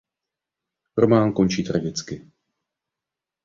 Román končí tragicky.